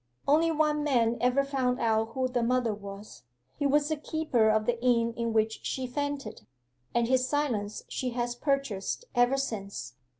'Only one man ever found out who the mother was. He was the keeper of the inn in which she fainted, and his silence she has purchased ever since.